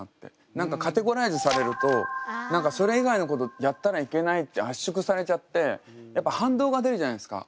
何かカテゴライズされるとそれ以外のことやったらいけないって圧縮されちゃってやっぱ反動が出るじゃないですか。